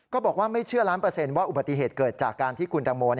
บอกว่าไม่เชื่อล้านเปอร์เซ็นต์ว่าอุบัติเหตุเกิดจากการที่คุณตังโม